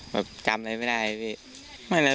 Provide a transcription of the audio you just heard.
ครับจำอะไรไม่ได้